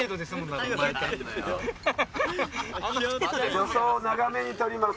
助走を長めに取ります。